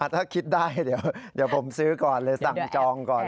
ถ้าคิดได้เดี๋ยวผมซื้อก่อนเลยสั่งจองก่อน